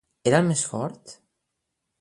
Era el més fort?